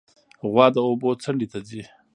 غوا د اوبو څنډې ته ځي.